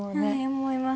思います。